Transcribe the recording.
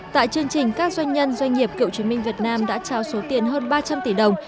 tại chương trình các doanh nhân doanh nghiệp cựu chiến binh việt nam đã trao số tiền hơn ba trăm linh tỷ đồng